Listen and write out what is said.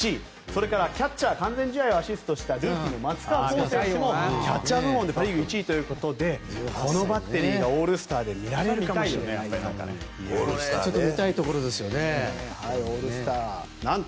それからキャッチャー完全試合をアシストしたルーキーの松川虎生選手もキャッチャー部門でパ・リーグ１位ということでこのバッテリーがオールスターで見られるかもしれない。